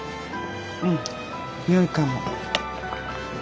うんよいかも。